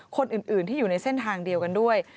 คนอื่นที่อยู่ในเส้นทางเดียวกันด้วย